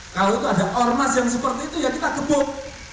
kalau itu ada ormas yang seperti itu ya kita gebuk